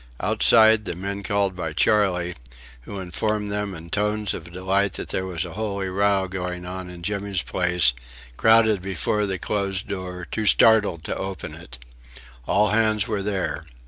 Outside, the men called by Charley, who informed them in tones of delight that there was a holy row going on in Jimmy's place, crowded before the closed door, too startled to open it. All hands were there.